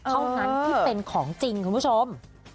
เท่านั้นที่เป็นของจริงคุณผู้ชม